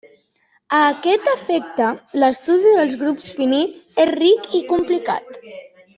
A aquest efecte, l'estudi dels grups finits és ric i complicat.